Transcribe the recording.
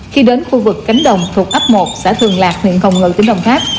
khi đến khu vực cánh đồng thuộc ấp một xã thường lạc huyện hồng ngự tỉnh đồng tháp